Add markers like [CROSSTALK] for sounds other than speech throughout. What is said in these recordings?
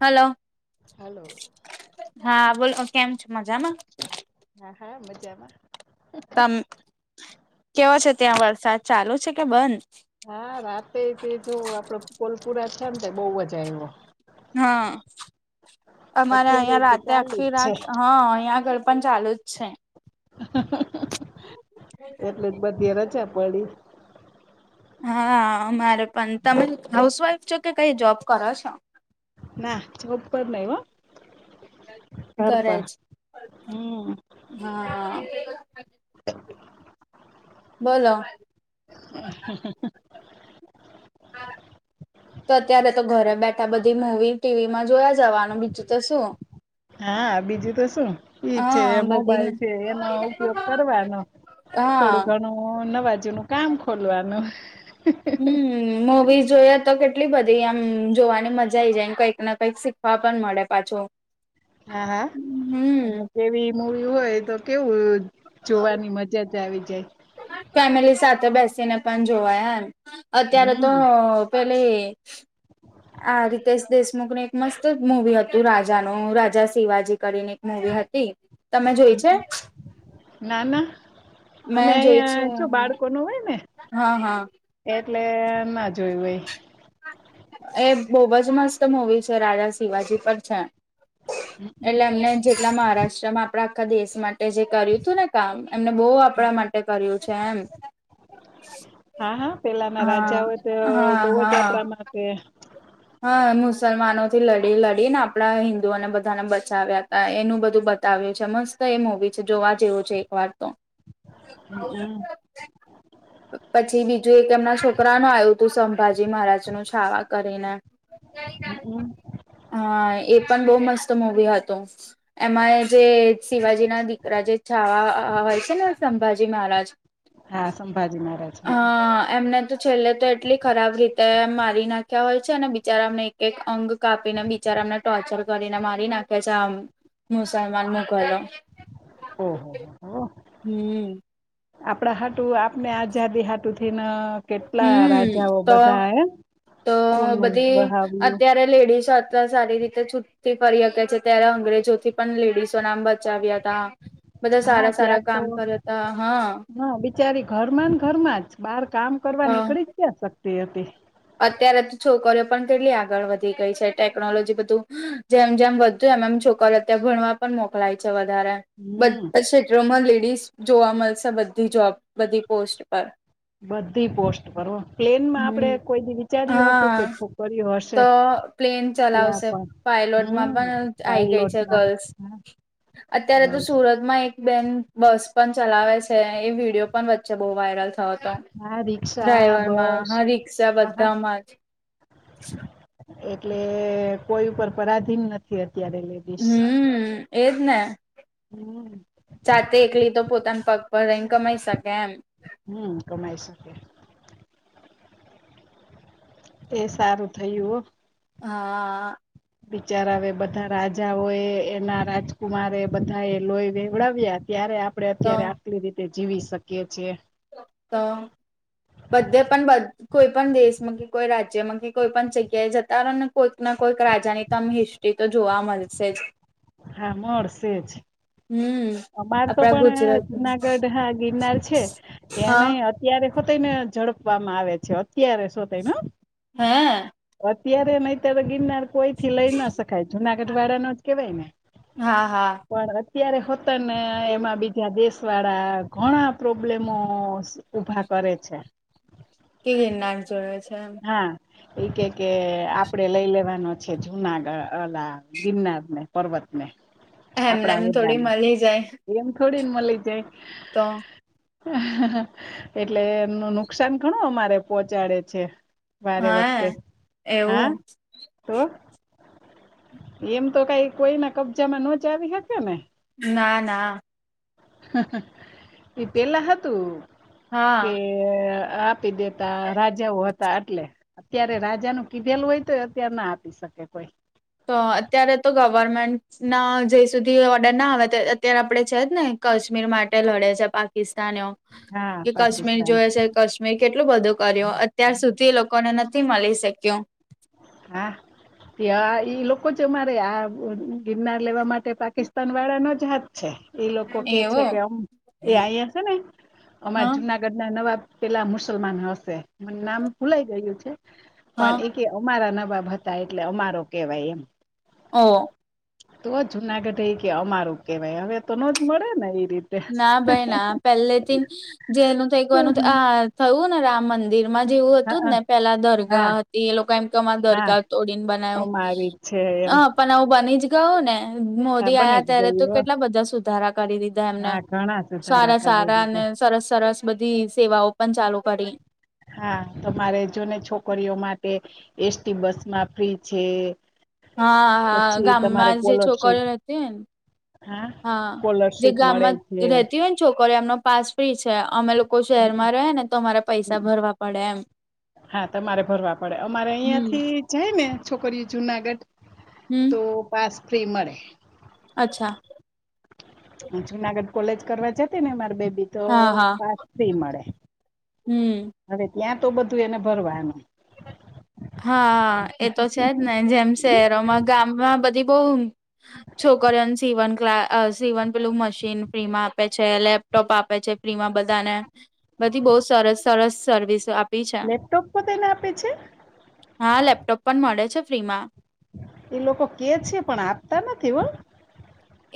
Hello hello હા બોલો કેમ છો મજામાં? હા હા મજામાં. તમ કેવો છે ત્યાં વરસાદ ચાલુ છે કે બંધ? હા રાતે તો જો આપડે કોલપુરા છે ને તો બહુ મજા આવ્યો. હમ અમારે અત્યારે અહિયાં તે રાતે ચાલુ આખી જ છે રાત હા અહિયાં ગળ પણ ચાલુ જ છે. એટલે જ બધી રજા પડી. હા અમારે પણ તમે હાઉસવાઈફ છો કે કઈ જોબ કરો છો? ના જોબ પર નહી હો. ઘર ઘરે પર જ હમ હા. બોલો હા હા તો અત્યારે તો ઘરે બેઠા બધી મુવી ટીવી માં જોયા જવાનું બીજું તો શું? હા બીજું તો શું? ઈ છે હા બધીને મોબાઈલ છે એનો ઉપયોગ કરવાનો. હા હ નવાજુનું કામ ખોલવાનું. હમ મુવીઝ જોઈએ તો કેટલી બધી આમ જોવાની મજા આઈ જાય. કંઈક ના કંઈક શીખવા પણ મળે પાછો. હા હા અને કેવી મૂવી હોય તો કેવું જોવાની મજા મજેય આવિ જાય. ફેમિલી સાથે બેસીને પણ જોવાયા એમ અત્યારે તો હમ પેલે? આ રિતેશ દેશમુખ નું એક મસ્ત જ મુૂવી હતું રાજા નું રાજા શિવાજી કરીને? મુવી હતી તમે જોય છે.? ના ના અમે મેં જોઈ છે અહંયા છુ બાળકો જોવેય ને. હા હા એટલે ના જોયું હોય એ બવજ મસ્ત મુવી છે રાજા શિવાજી પર છે એટલે એમને જેટલા મહારાષ્ટ્રમાં આપડા આખા દેશમાં ટે જે કર્યું હતું ને કામ એમને બો આપડા માટે કર્યું છે એમ હા હા પેલાના હા રાજાઓ તો હા બવ જ હા આપડા માટે હા મુસલમાનો થી લડી લડીને આપડા હિન્દુઓને બધાને બચાવ્યા હતા એનું બધું બ તાવ્યો છે મસ્ત એ મુવી છે જોવા જેવું છે એક વાર તો હ હમ [INAUDIBLE] પછી બીજું એક એમના છોકરા ન આવ્યું હતું સંભાજી મહારાજ નું છાવા કરીને હ હમ હા એ પણ બો મસ્ત મુવી હતું એમાં જે શિવાજી ના દીકરા જે છાવા હોય છે ને સંભાજી મહારાજ હા સંભાજી મહારાજ હા એમને તો છેલ્લે તો એટલી ખરાબ રીતે એ મારી નાખ્યા હોય છે અને બિચારાને એક એક અંગ કાપીને બિચારાને ટોર્ચર કરીને મારી નાખ્યા છે આમ મુસાલમાન મુું કલ ઓ હો હો હો હો હમ આપડા હાટુ આપને આઝાદી હાટુ થી ને હમ તો તો ખૂન બધી વહાવ્યું અત્યારે લેડીસો અતવા સારી રીતે છૂતી ફરી શકે છે ત્યારે અંગ્રેજોથી પણ લેડીસો નામ બચાવ્યા હતા બધા હા સારા ત્યાં સારા કામ કર્યા હતા હા બચારી ઘર ઘરમાં જ બહાર કામ કરવા હા નીકળી જ ક્યાં શકતી હતી અત્યારે તો છોકરીઓ પણ તેટલી આગળ વધી ગઈ છે ટેકનોલોજી બધું જેમ જેમ વ તો એમાંમ છોકરા અત્યારે ભણવા પણ મોકલાય છે વધારે હમ બધા ક્ષેત્રોમાં લેડીસ જોવા મળશે બધી જોબ બધી પોસ્ટ પર બધી પોસ્ટ પર હો પ્લેન માં હમ આપડે કોઈ દિવ હા તો પ્લેન ત્યાં ચલાવશે પણ પાયલોટમાં હમ પણ આવી ગઈ છે પાયલોટમાં ગર્લ્સ હા અત્યારે તો ગર્લ્સ સુરતમાં એક બેન બસ પણ ચલાવે છે એ વિડીયો પણ વચ્ચે બહુ વાયરલ થયો હતો હા રિક્ષા ડ્રાઈવર માં બસ હા રિક્ષા આહા બધામાં જ એટલે કોઈ ઉપર પરાધીન નથી અત્યારે લે હમ એજ ને હમ જાતે એકલી તો પોતાના પગ પર રહી કમાઈ શકે એમ હમ કમાઈ શકે એ સારું થયું હો હા બિચારા આવે બધા રાજાઓ એ એના રાજકુમારે એ બધા એ લોહી વેવડાવ્યા ત્યારે આપડે તો અત્યારે આટલી રીતે જીવી શકીએ છીએ તો બધે પણ બ કોઈ પણ દેશમાં કે કોઈ રાજ્યમાં કે કોઈ પણ જગ્યાએ જતા રહો ને કોઈક ના કોઈક રાજા ની તોમે હિસ તે તો જોવા મળશે જ હા મળશે જ હમ અમાર તો આપડા પણ ગુજરાત જુનાગઢ હા ગિરનાર છે ત્યાં હા નઈ અત્યારે જો તેને ઝડપવામાં આવે છે અત્યારે શું તઈને હા અત્યારે નહીત્યારે ગિરનાર કોઈ થી લઈ ન શકાય જુનાગઢ વાળા નું જ કેવાય ને હા હા. પણ અત્યારે હોતને એમાં બીજા દેશ વાળા ઘણા પ્રોબ્લેમો ઊભા કરે છે. કેવી નાક જોયે છેને હા એ કે કે આપડે લઈ લેવાનો છે જુનાગલા ગિરનાર ને પર્વત ને એમને આપડા એમ થોડી હોદામાં. મળી જાય એમ થોડીને મળી જાય. તો એટલે એનું નુકસાન ઘણું અમારે પોહોચાડે છે. બારે વખતે હા હા. એવું તો એમ તો કઈ કોઈના કબજામાં ન જ આવી શકે ને ના ના. એ પેલા હતું. હા કે આ. આપી દેતા રાજાઓ હતા. તા એટલે અત્યારે રાજા નું કીધેલું હોય તો અત્યારે ના આપી શકે કોઈ. તો અત્યારે તો ગવર્મેન્ટ ના જ સુધી ઓર્ડર ના આવે અત્યારે આપડણે છે જ ને. કાશ્મીર માટે લડે છે પાકિસ્તાનઓ હા કે કાશ્મીર પાકિસ્તાન જોય છે. કાશ્મીર કેટલું બધું કર્યું અત્યાર સુધી લોકોને નથી મળી શક્યું. હા ત્યા એ લોકો જમારે આ ગિરનાર લેવા માટે પાકિસ્તાન વાળા નો જ હાથ. છે. એ લોકો કે છે એવું કેમ એ અયા છે ને અમાર હા જુનાગ ગઢ ના નવા પેલા મુસલમાન હશે. મ નામ ભૂલાઈ ગયું છે પણ હા એક અમારા નવાબ હતા એટલે અમારો કેહેવાય એમ. ઓ. તો જુનાગઢ એ કે અમારું કેહેવાય હવે તો ન જ મળે ને એ રીતે. ના ભાઈ ના પહેલે થી જે ન થઈ કવાનું આ થયું ને રામ મંદિર મંદિર માં જેવું હતું. જે હા ને પેલા હા દરગાહ હતી એ લોકો એમ કે દરગાહ તોડીને બનાવ્યું. મારી જ છે હ એમ. પણ આવું બની જ ગયો ને. મોદી હા બની આવ્યા જ ત્યારે તો ગયું હો. કેટલા બધા સુધારા કરી દીધા. એમને હા ઘણા સુધારા સારા કરી સારા અને દીધા સરસ સરસ બધી સેવાઓ પણ ચાલુ કરી. હા તમારે જોને છોકરીઓ માટે એસટી બસ માં ફ્રી છે. હા હા પછી તમારે ગામમાં જે કોલરશીપ છોકરી હતી ને. હા જે કોલરશીપ મળે ગામમાં છે રતી હોય ને છોકરો એમનો પાસ ફ્રી છે. અમે લોકો લોકો શહેરમાં રહે ને તો અમારે પૈસા ભરવા પડે એમ. હા તમારે ભરવા પડે. અમારે હમ અહિયાંથી જાય ને છોકરીઓ જુનાગઢ હમ. તો પાસ ફ્રી મળે. અચ્છા. જુનાગઢ કોલેજ કરવા જતી ને અ મારે બેબી તો હા હા પાસ ફ્રી મળે. હમ હવે ત્યાં તો બધું એને ભરવાનું. હા એ તો છે જ ને જેમ શહેરોમાં ગામમાં બધી બઉ. છોકરીઓને સીવન ક સીવન પેલું મશીન ફ્રી માં આપે છે. લેબ લપટોપ આપે છે ફ્રીમાં બધાને બધી બહુ સરસ સરસ સર્વિસ આપ લેપટોપ પોને આપે છે. હા લેપટોપ પણ મળે છે ફ્રી માં. એ લોકો કે છે પણ આપતા નથી હ.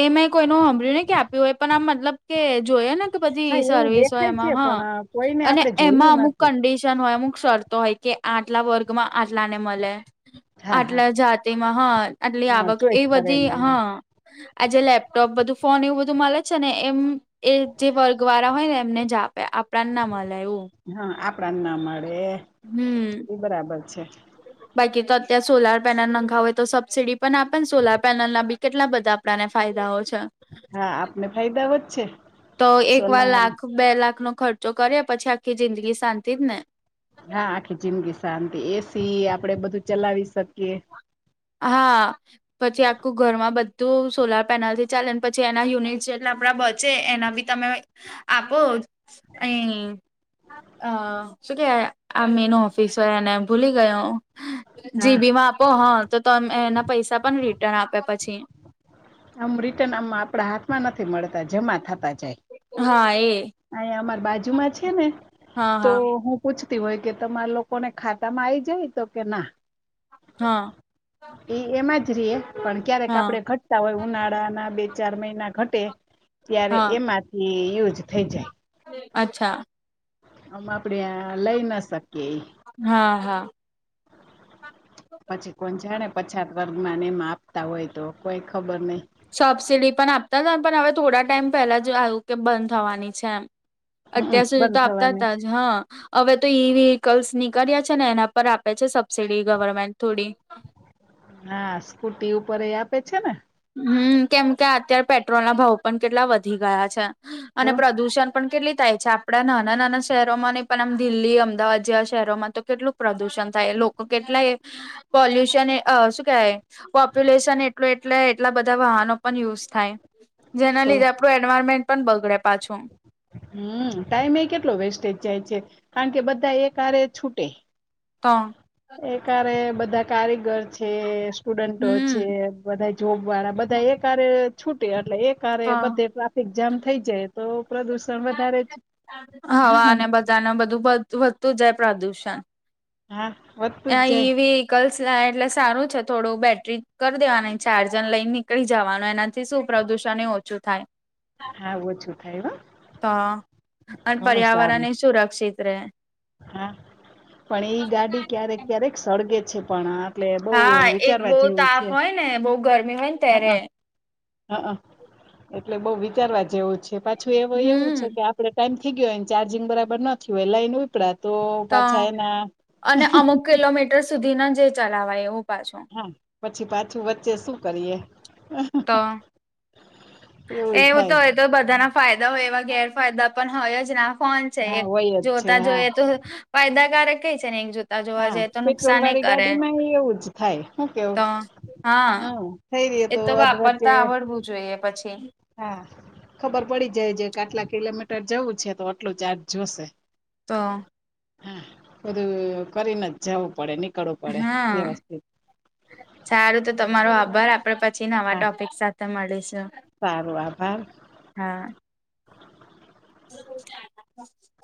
એ મેં કોઈનું હંભળ્યું નને કે આપ્યું હોય, પણ આમ મતલબ કે જોયએ ને હા પછી એવું સર્વિસ હોય દેખાય છે એમાં હા. પણ કોઈને અને આપણે એમાં જોયું અમુક નથી કંડિશન હોય અમુક શ તો હોય કે આટલા વર્ગમાં આટલા ને મળે હા હા આટલા જાતિ માં હા આટલી હા આવક એ ચોઈસ બધી કરેલું હોય હા. આજે લેપટોપ બધું ફોન એવું બધું મળે છેને. એમ એ જે વર્ગ વાળા હોય ને, એમને જ આપણાને ના મળે એવુ હા આપડાને ના મળે હમ્મ એ બરાબર છે બાકી તો અત્યારે સોલાર પેનલ નખાવ હોય તો સબસસીડી પણ આપે સોલાર પેનલ ના બી કેટલા બધા આપડાને ફાયદાઓ છે. હા આપને ફાયદા વધ છે. તો એક વાર સોલાર લાખ બે લાખ નો ખર્ચો કરે, પછી આખી જિંદગી શાંતિ જ ને હા આખી જિંદગી શાંતિ એસી આપડે બધું ચલાવી શકીએ હા પછી આખું ઘરમાં બધું સોલાર પેનલથી ચાલે ને પછી એના યુનિટ જેટ આપણાડા બચે એના તમે આપો અ અ શું કે આ મે એનું ઓફિસ હોય અને ભૂલી ગયો. જી હા બીમાં આપો હા તો તમે એના પૈસા પણ રિટર્ન આપ્યા પછી આમ રિટર્ન આમ આપડા હાથમાં નથી મળતા જમા થતા હા એ જાય અ અમાર બાજુમાં છેને, હા તો હા હું પૂછતી હોય કે તમારા લોકોને ખાતા માં આવીઈ જાય તો કે ના હા એ એમાં જ રએ પણ ક્યારેક હા આપડે ઘટ હોય ઉનાળાના બે ચાર મહિના ઘટે ત્યારે હા એમાંથી યુઝ થઈ જાય. અચ્છા આમ આપડે લઈ ના શકીએ એ હા હા પછી કોણ જાણે પછાત વર્ગમાં નેમ આપતા હોય તો કોઈ ખબર નહી સબસીિડી પણ આપતા જ પણ હવે થોડા ટાઈમ પહેલા જ આવું કે બંધ થવાની છે, એમ હમમ અત્યાર સુધી તો બંધ આપતા થવાની હતા જ હા હવે તો ઈ વેહીકલ્સ નીકળ્યા છેને, એના પર આપે છે સબસીિડી ગવર્મેન્ટ થોડી હા સ્કૂટી ઉપર એ આપે છેને. હમ કેમ કે અત્યારે પેટ્રોલના ભાવ પણ કેટલા વધી ગયા છે, અને તો પ્રદુષણ પણ કેટલી થાય છે આપડા નાના નાના શહેરોમાં નહી પણ આમ દિલ્હી અમદાવાદ જેવા શહેરોમાં તો કેટલુ પ્રદૂષણ થાય લોકો કેટલાય પોલ્યુશન શું કેવાય પોપ્યુલેશન એટુ એટલે એટલા બધા વાહનો પણ યુઝ થાય, જેના તો લીધે આપડું એન્વાયરમેન્ટ પણ બગડે પાછુ. હમ ટાઈમે એ કેટલો વેસ્ટેજ જાય છે, કારણ કે બધા એકારે છૂટે તો એકારે બધા કારીગર છે. સ્ટુડન્ટો છે હમ બધા જોબ વાળા બધા એકારે છૂટે એટલે એ તો બધ જામ થઈ જાય તો પ્રદુષણ વધારે જ હવા અને બધાર ન બધું વધતું જાય પ્રદુષણ હા હોત આ ઈવી વકલ્સ એટલે સારું છે, થોડું બેટરી કરી દેવાનું ચાર્જર લઈને નીકળી જવાનું એના થી શું પ્રદૂષણ એ ઓછું થાય. હા ઓુંછું થાય હ તો અને પર્યાવરણ એ સુરક્ષિત રહેે હા પણ ઈ ગાડી ક્યારેક ક્યારેક સળગે છે પણ આ એટલે બઉુ હા એ બહુ વિચારવાથીું છે. તાપ હોય ને બહુ ગરમી હોય. હ ત્યારે હ એટલે બહ વિચારવા જેવું છે પા પાછું એવ એવું છે હમ કે આપડે ટાઈમ થઈ ગયો હોયને ચાર્જિંગ બરાબર નથી હોય લાઈન કડા તો પાછા એના અને અમુક કિલોમીટર સુધી ના જે ચલાવાય એવું પાછું હા પછી પાછું વચ્ચે શું કરીએ તો એવું તો હોય તો બધાના ફાયદા હોય એવા ગેરફાયદા પણ હોય જના ફોન હા એક હોય જ છે જોતા હા જોઈએ તો ફાયદાકારક કઈ છે ને જો જોવા હા જઈ તો પેટ્રોલ નુકસાન વાળી કરે ગાડી માં એવું જ થાય શું કેવું તો હા થઈ એ તો અધ વચ્ચે વાપરતા આવડવું જોઈએ પછી હા ખબર પડી જાય જે કે આટલા કિલોમીટર જવું છે તો આટલું ચાર્જ જોશે. તો હા બધું કરીને જ જવું પડે ની હા સારું તો તમારો આભાર આપડે પ છી નવા હા ટોપિક સાથે મળીશું સારું આભાર હા. [INAUDIBLE]